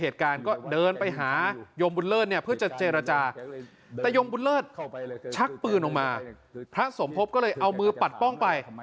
แต่ลุงบุญเลิศชักปืนออกมาพระสมภพก็เลยเอามือปัดป้องไป